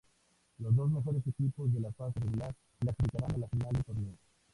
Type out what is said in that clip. Los dos mejores equipos de la fase regular clasificarán a la final del torneo.